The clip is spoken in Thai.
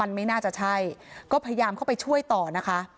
ไม่น่าจะใช่ก็พยายามเข้าไปช่วยต่อนะคะ